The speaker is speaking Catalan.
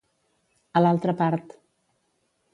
A l'altra part.